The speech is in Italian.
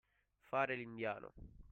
Fare l'indiano.